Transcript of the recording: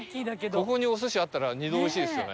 ここにお寿司あったら二度おいしいですよね。